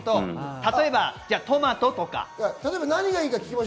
例えばトマトとか。